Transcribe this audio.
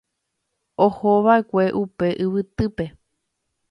ohova'ekue upe yvytýpe